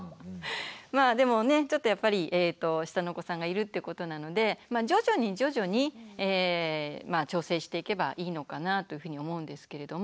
まあでもねちょっとやっぱり下のお子さんがいるってことなので徐々に徐々に調整していけばいいのかなというふうに思うんですけれども。